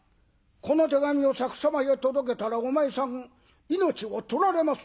この手紙を先様へ届けたらお前さん命を取られます」。